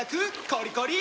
コリコリ！